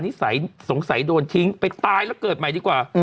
สงสัยโดนทิ้งไปตายแล้วเกิดใหม่ดีกว่า